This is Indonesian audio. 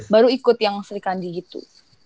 baru ikut yang sri kandi gitu